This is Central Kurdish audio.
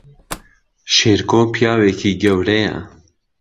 شێرکۆ پیاوێکی گەورەیە